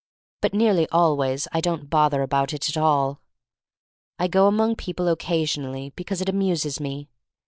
But nearly always I don't bother about it at all. I go among people occasionally because it amuses me.